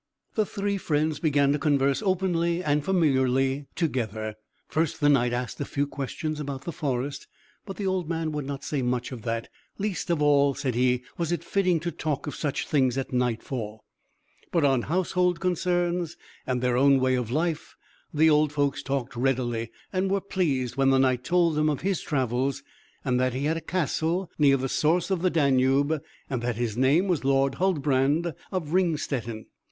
The three friends began to converse openly and familiarly together. First the Knight asked a few questions about the forest, but the old man would not say much of that; least of all, said he, was it fitting to talk of such things at nightfall; but, on household concerns, and their own way of life, the old folks talked readily; and were pleased when the Knight told them of his travels, and that he had a castle near the source of the Danube, and that his name was Lord Huldbrand of Ringstetten.